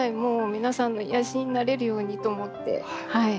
皆さんの癒やしになれるようにと思って頑張っています。